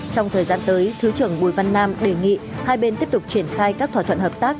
trong thời gian tới thứ trưởng bùi văn nam đề nghị hai bên tiếp tục triển khai các thỏa thuận hợp tác